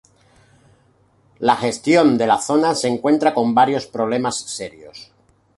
La gestión de la zona se encuentra con varios problemas serios.